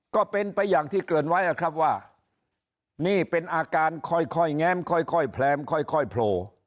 ก็เป็นไปอย่างที่เกริ่นไว้นะครับว่านี่เป็นอาการค่อยแง้มค่อยแพรมค่อยโผล่